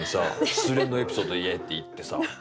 「失恋のエピソード言え」っていってさ。